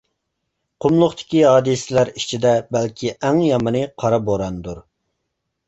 قۇملۇقتىكى ھادىسىلەر ئىچىدە بەلكى ئەڭ يامىنى قارا بوراندۇر.